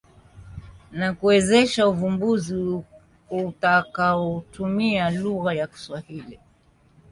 na kuwezesha uvumbuzi utakaotumia lugha ya Kiswahili.